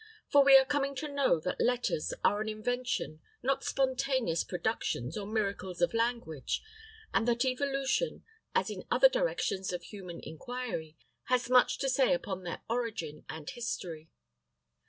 For we are coming to know that letters are an invention, not spontaneous productions or miracles of language, and that evolution, as in other directions of human inquiry, has much to say upon their origin and history.